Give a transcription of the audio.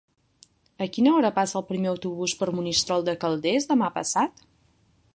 A quina hora passa el primer autobús per Monistrol de Calders demà passat?